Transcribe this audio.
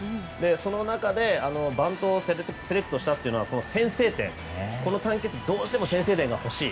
その中でバントをセレクトしたのはこの短期決戦では、どうしても先制点が欲しい。